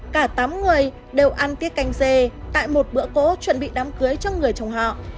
cả tám người đều ăn tiết canh dê tại một bữa cố chuẩn bị đám cưới cho người chồng họ